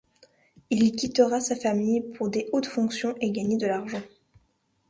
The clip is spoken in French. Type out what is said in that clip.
Il quittera sa famille pour de hautes fonctions et gagner de l'argent.